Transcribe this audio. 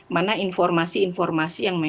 mana informasi informasi yang